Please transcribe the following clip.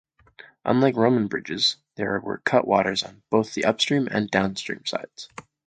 Unlike Roman bridges there were cutwaters on both the upstream and downstream sides.